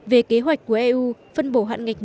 về kế hoạch của eu phân bổ hạn nghịch